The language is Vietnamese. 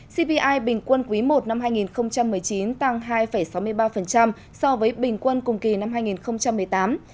cpi bình quân quý i năm hai nghìn một mươi chín tăng hai sáu mươi ba so với bình quân cùng kỳ năm hai nghìn một mươi tám